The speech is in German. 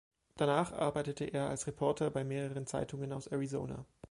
Danach arbeitete er als Reporter bei mehreren Zeitungen aus Arizona.